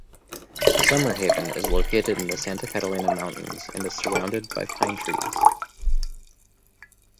Summerhaven is located in the Santa Catalina Mountains and is surrounded by pine trees.